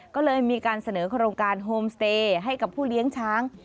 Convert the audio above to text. ก็เลยมีการเสนอโครงการโฮมสเตย์ให้กับผู้เลี้ยงช้าง